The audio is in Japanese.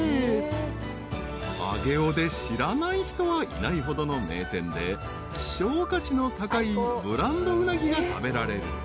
［上尾で知らない人はいないほどの名店で希少価値の高いブランドうなぎが食べられる］